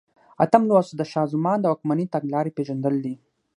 اتم لوست د شاه زمان د واکمنۍ تګلارې پېژندل دي.